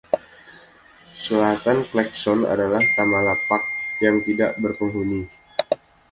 Selatan Clarkson adalah Tamala Park, yang tidak berpenghuni.